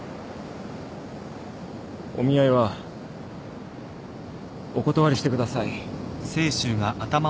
お見合いはお断りしてください。